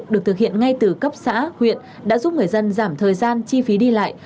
được thực hiện ngay từ cấp xã huyện đã giúp người dân giảm thời gian chi phí đi lại